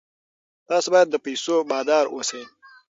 تاسو باید د پیسو بادار اوسئ.